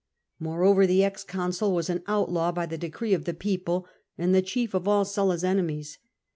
Moreover the ex consul was an outlaw by the decree of the people, and the chief of all Sulla's enemies.